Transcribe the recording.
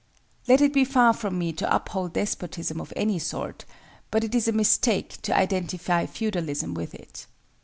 Let it be far from me to uphold despotism of any sort; but it is a mistake to identify feudalism with it.